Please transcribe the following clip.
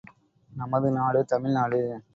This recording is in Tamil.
நமது நாடு தமிழ்நாடு.